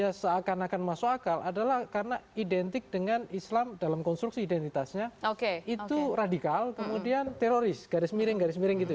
jadi yang kenapa dia seakan akan masuk akal adalah karena identik dengan islam dalam konstruksi identitasnya itu radikal kemudian teroris garis miring garis miring ya